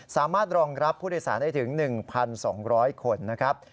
สามารถรองรับผู้โดยสารได้ถึง๑๒๐๐คนนะครับ